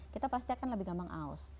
kita pasti akan lebih gampang aus